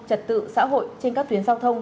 trật tự xã hội trên các tuyến giao thông